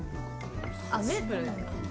メープル？